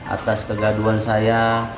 atas kegaduan saya